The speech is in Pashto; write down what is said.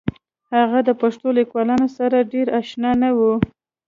هغه د پښتو لیکوالانو سره ډېر اشنا نه و